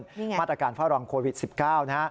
นี่ไงมาตรการเฝ้ารองโควิด๑๙นะฮะ